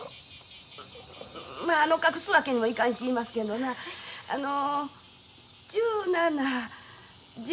まああの隠すわけにもいかんし言いますけんどなあの１７１５１１９５。